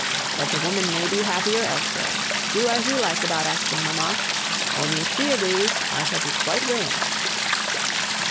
But the woman may be happier elsewhere. Do as you like about asking mamma; only if she agrees, I shall be quite willing."